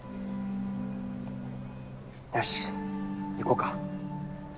よし行こうか。